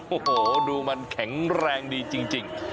โอ้โหดูมันแข็งแรงดีจริง